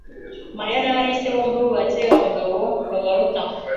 Mariya na Alice bombi bubatse abagabo babaruta.